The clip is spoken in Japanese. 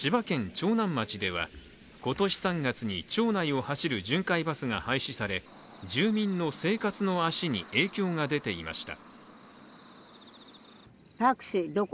長南町では今年３月に町内を走る巡回バスが廃止され住民の生活の足に影響が出ていました。